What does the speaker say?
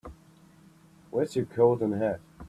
Where's your coat and hat?